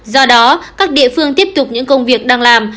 do đó các địa phương tiếp tục những công việc đang làm